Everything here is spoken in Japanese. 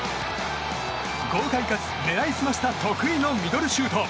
豪快かつ、狙い澄ました得意のミドルシュート。